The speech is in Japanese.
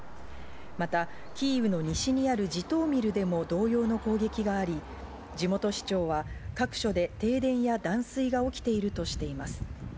また、キーウの西にあるジトーミルでも同様の攻撃があり、地元市長は各所で停電や断水が起きているとしています。